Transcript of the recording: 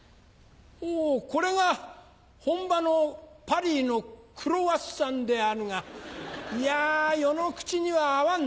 おぉこれが本場のパリのクロワッサンであるがいや余の口には合わんな。